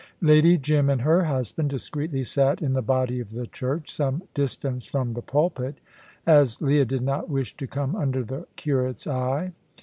Lady Jim and her husband discreetly sat in the body of the church, some distance from the pulpit, as Leah did not wish to come under the curate's eye.